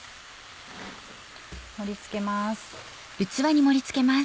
盛り付けます。